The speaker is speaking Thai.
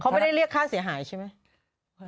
เขาไม่ได้เรียกค่าเสียหายใช่ไหม